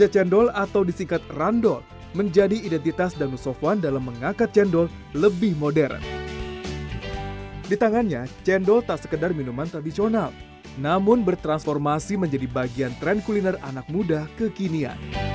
ternyata sudah diakui oleh dunia